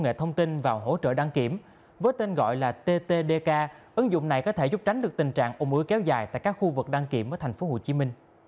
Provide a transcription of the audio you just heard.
công nghệ thông tin vào hỗ trợ đăng kiểm với tên gọi là ttdk ứng dụng này có thể giúp tránh được tình trạng ủng ứ kéo dài tại các khu vực đăng kiểm ở tp hcm